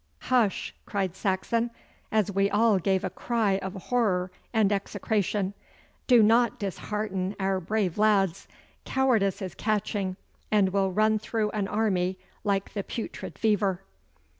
'Hush!' cried Saxon, as we all gave a cry of horror and execration; 'do not dishearten our brave lads! Cowardice is catching and will run through an army like the putrid fever.